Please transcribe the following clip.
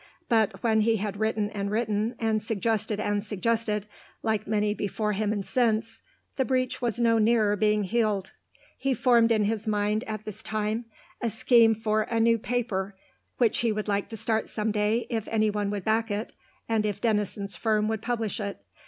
But, when he had written and written, and suggested and suggested, like many before him and since, the breach was no nearer being healed. He formed in his mind at this time a scheme for a new paper which he would like to start some day if anyone would back it, and if Denison's firm would publish it.